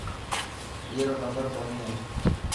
اي رو نمبر ڪوني هي.